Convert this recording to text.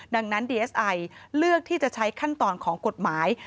ดังนั้นดีเอสไอเลือกที่จะใช้ขั้นตอนของกฎหมาย